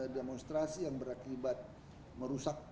demonstrasi yang berakibat merugikan